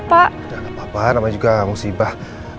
tidak apa apa namanya juga musibah